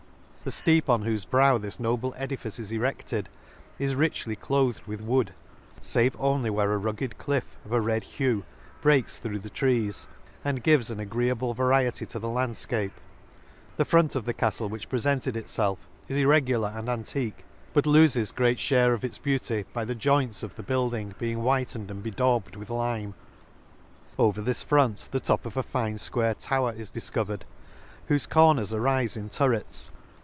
The fteep on whofe brow this noble edifice is erect ed, is richly cloathed with wood, fave only where a rugged cliff of a red hue, breaks through the trees, and gives an agreeable variety to the landfcape ;— the front of the caftle which prefented itfelf is irregular and antique, but lofes great fhare /^ Lakes, 31 fliare of its beauty by the joints of the building being whitened and bedaubed with lime. Over this front the top of a fine fquare tower is difcovered, whofe cor ners arife in turrets.